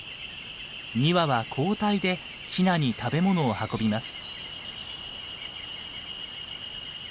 ２羽は交代でヒナに食べ物を運びます。